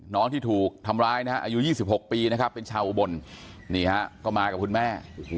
ที่ถูกทำร้ายนะฮะอายุ๒๖ปีนะครับเป็นชาวอุบลนี่ฮะก็มากับคุณแม่